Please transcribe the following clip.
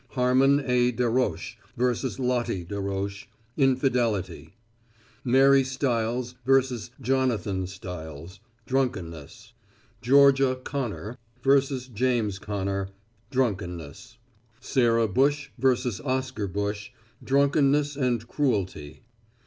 Harmon A. Darroch vs. Lottie Darroch; infidelity. Mary Stiles vs. Jonathan Stiles; drunkenness. Georgia Connor vs. James Connor; drunkenness. Sarah Bush vs. Oscar Bush; drunkenness and cruelty.